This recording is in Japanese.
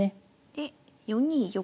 で４二玉。